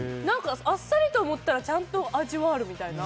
なんかあっさりと思ったら、ちゃんと味もあるみたいな。